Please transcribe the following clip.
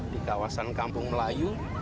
di kawasan kampung melayu